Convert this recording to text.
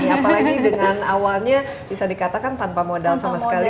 apalagi dengan awalnya bisa dikatakan tanpa modal sama sekali